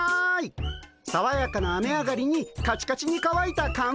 さわやかな雨上がりにカチカチにかわいた乾物はいかが？